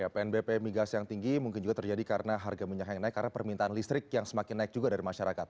pnbp migas yang tinggi mungkin juga terjadi karena harga minyak yang naik karena permintaan listrik yang semakin naik juga dari masyarakat